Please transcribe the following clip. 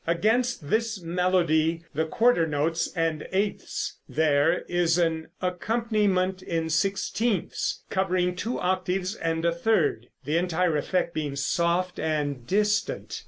Against this melody in quarter notes and eighths, there is an accompaniment in sixteenths, covering two octaves and a third, the entire effect being soft and distant.